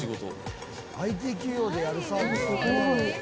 「ＩＴ企業でやるサービスなんやろ？」